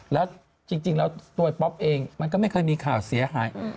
แล้วจริงแล้วตัวป๊อปเองมันก็ไม่เคยมีข่าวเสียหาย